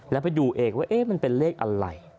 แล้วไปดูเองว่ามันเป็นเลขอะไร